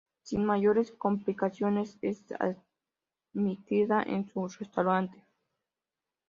Sin mayores complicaciones es admitida en su restaurante.